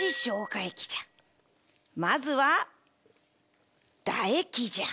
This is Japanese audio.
まずはだ液じゃ。